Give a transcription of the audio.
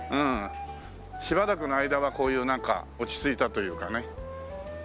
しばらくの間はこういう落ち着いたというかね。